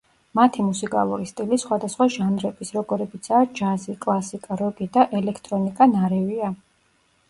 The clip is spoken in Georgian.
მათი მუსიკალური სტილი სხვადასხვა ჟანრების, როგორებიცაა ჯაზი, კლასიკა, როკი და ელექტრონიკა, ნარევია.